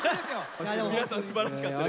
皆さんすばらしかったです。